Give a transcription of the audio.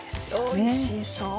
おいしそう！